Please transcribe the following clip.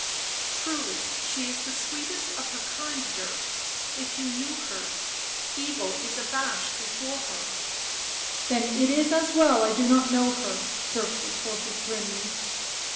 " Truly she is the sweetest of her kind, Dirk; if you knew her — evil is abashed before her "" Then it is as well I do not know her," Dirk retorted grimly.